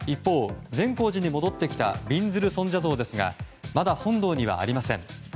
一方、善光寺に戻ってきたびんずる尊者像ですがまだ本堂にはありません。